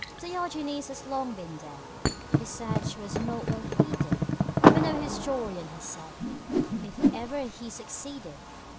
Diogenes has long been dead; His search was not well heeded, For no historian has said If ever he succeeded.